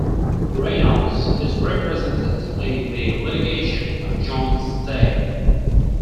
Reynolds is represented in the litigation by Jones Day.